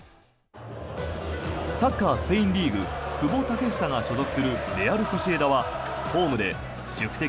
サッカースペインリーグ久保建英が所属するレアル・ソシエダはホームで宿敵